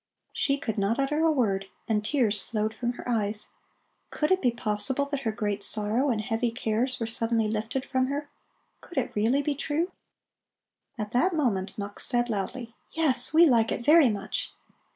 She could not utter a word, and tears flowed from her eyes. Could it be possible that her great sorrow and heavy cares were suddenly lifted from her? Could it really be true? At that moment Mux said loudly: "Yes, we like it very much!"